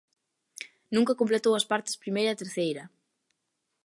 Nunca completou as partes primeira e terceira.